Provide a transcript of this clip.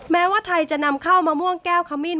แม้ว่าไทยจะนำข้าวมะม่วงแก้วขมิ้น